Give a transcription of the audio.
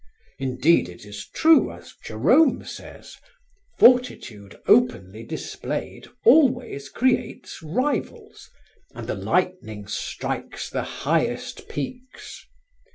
Indeed it is true, as Jerome says: 'Fortitude openly displayed always creates rivals, and the lightning strikes the highest peaks.'